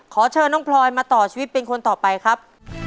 ขอเชิญน้องพลอยมาต่อชีวิตเป็นคนต่อไปครับ